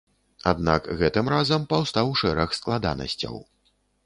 Аднак гэтым разам паўстаў шэраг складанасцяў.